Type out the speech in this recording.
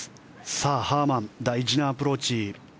さあ、ハーマン大事なアプローチ。